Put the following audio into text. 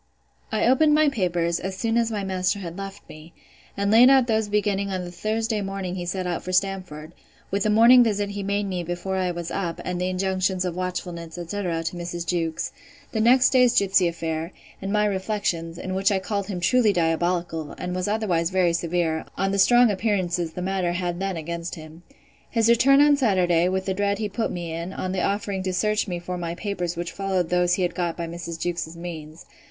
I opened my papers, as soon as my master had left me; and laid out those beginning on the Thursday morning he set out for Stamford, 'with the morning visit he made me before I was up, and the injunctions of watchfulness, etc. to Mrs. Jewkes; the next day's gipsy affair, and my reflections, in which I called him truly diabolical, and was otherwise very severe, on the strong appearances the matter had then against him. His return on Saturday, with the dread he put me in, on the offering to search me for my papers which followed those he had got by Mrs. Jewkes's means.